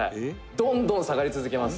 「どんどん下がり続けます